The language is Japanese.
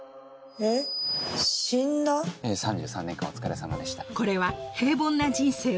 ええ３３年間お疲れさまでした。